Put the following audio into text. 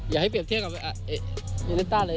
อย่าให้เปรียบเทียบกับยูเนต้าเลย